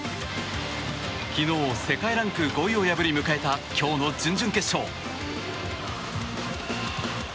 昨日世界ランク５位を破り迎えた今日の準々決勝。